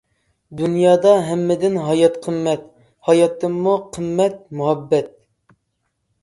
دۇنيادا ھەممىدىن ھايات قىممەت، ھاياتتىنمۇ قىممەت مۇھەببەت.